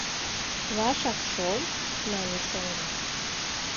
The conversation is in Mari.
— Лачак шол, — мане шоҥго.